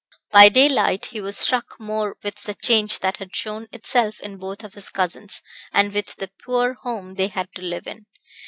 By daylight he was struck more with the change that had shown itself in both of his cousins, and with the poor home they had to live in.